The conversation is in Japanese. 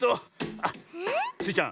あっ！スイちゃん。